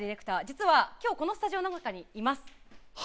実は今日このスタジオの中にいます。